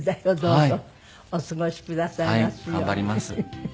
頑張ります。